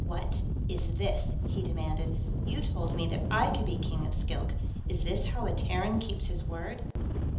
"What is this?" he demanded. "You told me that I could be King of Skilk; is this how a Terran keeps his word?"